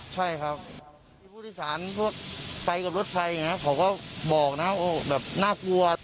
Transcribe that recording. ใช่ครับผู้โดยสารพวกไปกับรถไทยเขาก็บอกนะโอ้แบบน่ากลัว